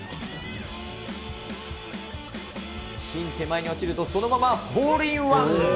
ピン手前に落ちると、そのままホールインワン。